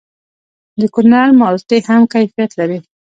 د کونړ مالټې هم کیفیت لري.